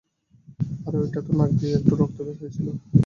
আরে ঐটাতো নাক দিয়ে একটু রক্ত বের হয়েছিল।